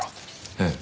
ええ。